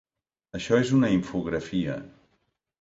Això és una infografia.